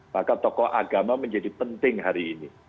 maka tokoh agama menjadi penting hari ini